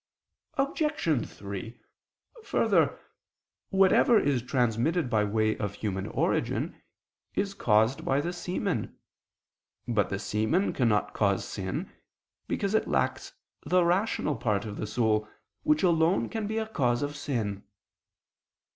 Obj. 3: Further, whatever is transmitted by way of human origin, is caused by the semen. But the semen cannot cause sin, because it lacks the rational part of the soul, which alone can be a cause of sin.